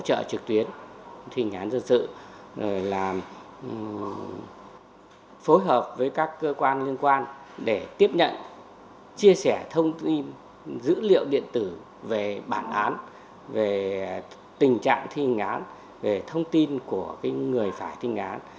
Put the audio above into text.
hỗ trợ trực tuyến thi hành án dân sự là phối hợp với các cơ quan liên quan để tiếp nhận chia sẻ thông tin dữ liệu điện tử về bản án về tình trạng thi hình án về thông tin của người phải thi án